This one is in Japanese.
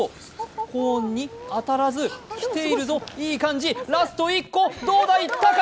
コーンに当たらず来ているぞ、いい感じラスト１個、どうだ、いったか？